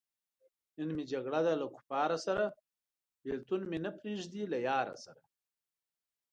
نن مې جګړه ده له کفاره سره- بېلتون مې نه پریېږدی له یاره سره